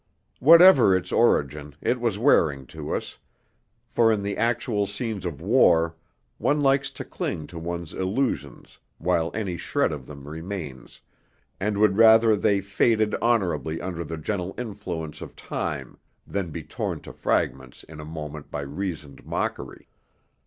Whatever its origin it was wearing to us, for in the actual scenes of war one likes to cling to one's illusions while any shred of them remains, and would rather they faded honourably under the gentle influence of time than be torn to fragments in a moment by reasoned mockery.